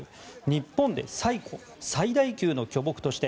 日本で最古最大級の巨木として